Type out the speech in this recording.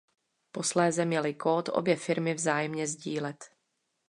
Posléze měly kód obě firmy vzájemně sdílet.